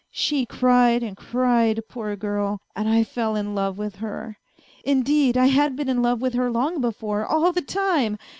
She cried and cried, poor girl, and I fell in love with her ... indeed, I had been in love with her long before, all the time